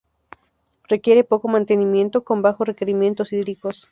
Requiere poco mantenimiento, con bajos requerimientos hídricos.